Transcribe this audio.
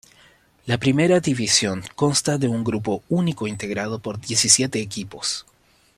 La Primera División consta de un grupo único integrado por diecisiete equipos.